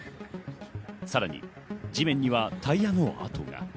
さらに地面にはタイヤの跡が。